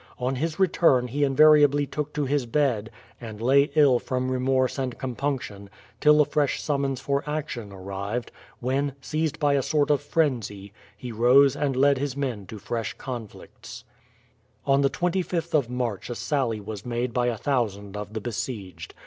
On his return he invariably took to his bed, and lay ill from remorse and compunction till a fresh summons for action arrived, when, seized by a sort of frenzy, he rose and led his men to fresh conflicts. On the 25th of March a sally was made by a thousand of the besieged.